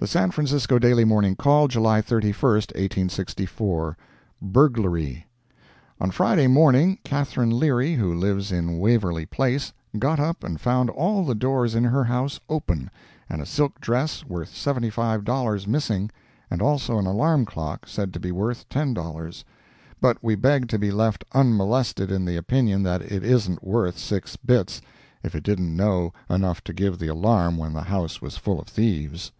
The San Francisco Daily Morning Call, July 31, 1864 BURGLARY On Friday morning, Catherine Leary, who lives in Waverley Place, got up and found all the doors in her house open, and a silk dress worth seventy five dollars missing, and also an alarm clock, said to be worth ten dollars; but we beg to be left unmolested in the opinion that it isn't worth six bits, if it didn't know enough to give the alarm when the house was full of thieves.